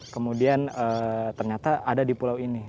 kemudian ternyata ada di pulau ini